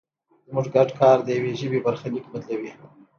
زموږ ګډ کار د یوې ژبې برخلیک بدلوي.